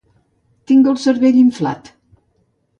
Tinc el cervell inflat.